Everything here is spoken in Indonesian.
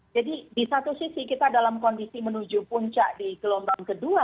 jadi di satu sisi kita dalam kondisi menuju puncak di gelombang kedua